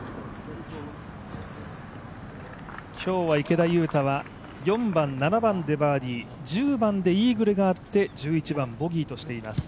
今日は池田勇太は４番、７番でバーディー、１０番でイーグルがあって１１番ボギーとしています。